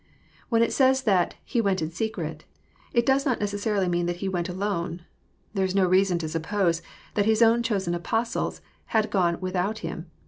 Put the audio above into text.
When it says that " He went in secret," it does not neces sarily mean that He went alone. There is no reason to suppose that His own chosen Apostles had gone without Him.